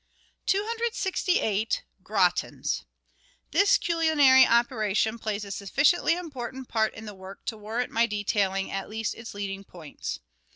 268— GRATINS This culinary operation plays a sufficiently important part in the work to warrant my detailing at least its leading points.